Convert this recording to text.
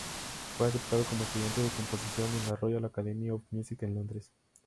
Fue aceptado como estudiante de composición en la Royal Academy of Music en Londres.